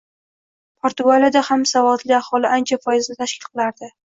Portugaliyada ham savodli aholi ancha foizni tashkil qilardi.